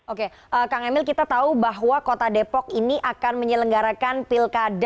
oke kang emil kita tahu bahwa kota depok ini akan menyelenggarakan pilkada